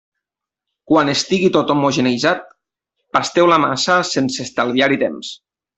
Quan estigui tot homogeneïtzat, pasteu la massa sense estalviar-hi temps.